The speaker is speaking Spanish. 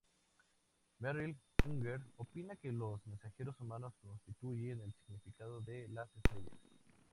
Merrill Unger opina que los mensajeros humanos constituyen el significado de las estrellas.